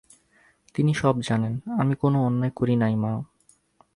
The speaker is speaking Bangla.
তিনি সব জানেন, আমি কোনো অন্যায় করি নাই মা।